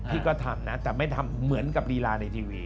ที่ก็ทำนะแต่ไม่ทำเหมือนกับลีลาในทีวี